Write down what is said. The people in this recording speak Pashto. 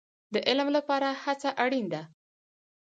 د علم لپاره هڅه اړین ده